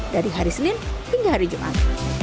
dari hari senin hingga hari jumat